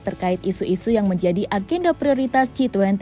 terkait isu isu yang menjadi agenda prioritas g dua puluh